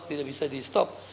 tidak bisa di stop